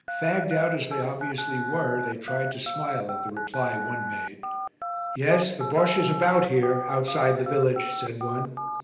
Fagged out as they obviously were they tried to smile at the reply one made. "Yes, the Bosche is about here outside the village," said one.